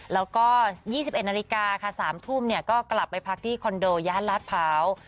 แล้วก็๒๑นาฬิกาค่ะ๓ทุ่มก็กลับไปพักที่คอนโดย่านลาดพร้าว